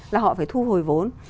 là họ phải thu hồi vốn